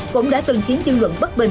cũng đã từng khiến dư luận bất bình